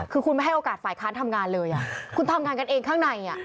คือคุณไม่ให้โอกาสฝ่ายค้านทำงานเลยคุณทำงานกันเองข้างใน